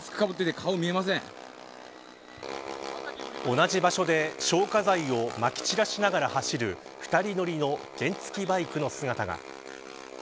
同じ場所で消火剤をまき散らしながら走る２人乗りの原付バイクの姿が。